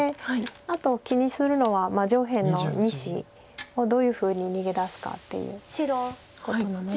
あと気にするのは上辺の２子をどういうふうに逃げ出すかっていうことなので。